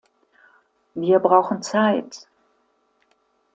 Wir brauchen Zeit.